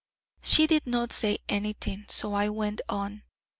She did not say anything: so I went on.